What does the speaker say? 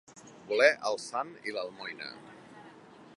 Voler el sant i l'almoina.